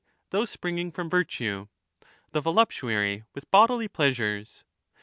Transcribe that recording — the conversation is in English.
those springing from virtue), the volup tuary with bodily pleasures.